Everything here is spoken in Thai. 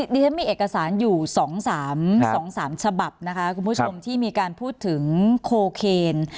ดิฉันมีเอกสารอยู่๒๓ฉบับนะคะคุณผู้ชมที่มีการพูดถึงโคเคน